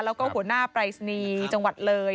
แล้วก็หัวหน้าปรายศนีย์จังหวัดเลย